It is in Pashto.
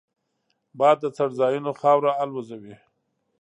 باد د څړځایونو خاوره الوزوي